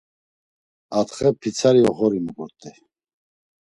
Atxe pitsari oxori miğurt̆ey.